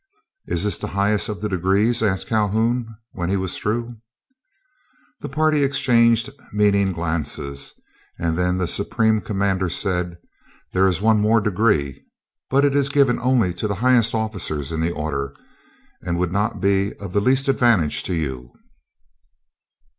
"Is this the highest of the degrees?" asked Calhoun, when he was through. The party exchanged meaning glances, and then the Supreme Commander said: "There is one more degree, but it is given only to the highest officers in the order, and would not be of the least advantage to you."